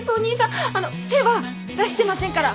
あの手は出してませんから。